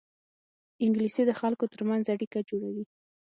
انګلیسي د خلکو ترمنځ اړیکه جوړوي